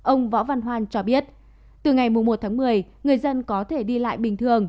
ông võ văn hoàn cho biết từ ngày một một mươi người dân có thể đi lại bình thường